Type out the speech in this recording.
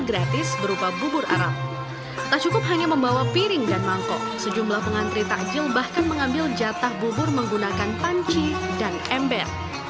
ratusan warga mengantri bubur dengan panci dan ember